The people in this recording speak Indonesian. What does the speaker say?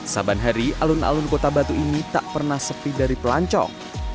saban hari alun alun kota batu ini tak pernah sepi dari pelancong